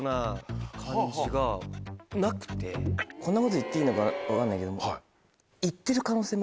こんなこと言っていいのか分かんないけど。